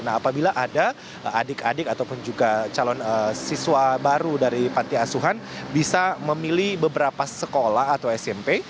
nah apabila ada adik adik ataupun juga calon siswa baru dari panti asuhan bisa memilih beberapa sekolah atau smp